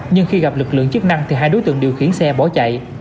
nhưng khi gặp lực lượng chức năng thì hai đối tượng điều khiển xe bỏ chạy